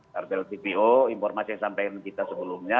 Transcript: kartel cpo informasi yang disampaikan kita sebelumnya